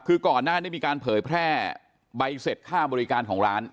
คือก่อนหน้านี้มีการเผยแพร่ใบเสร็จค่าบริการของร้าน